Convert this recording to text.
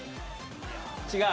違う。